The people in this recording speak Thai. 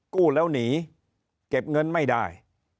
กู้แล้วหนีเก็บเงินไม่ได้